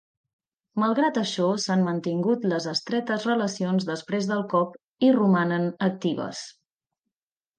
Malgrat això, s'han mantingut les estretes relacions després del cop, i romanen actives.